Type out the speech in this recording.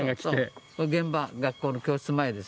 現場学校の教室前です。